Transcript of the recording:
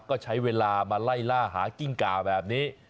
ก็ใช้เวลามาไล่ล่าหากิ้งกาแบบนี้